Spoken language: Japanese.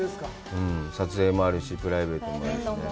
うん、撮影もあるし、プライベートもあるしね。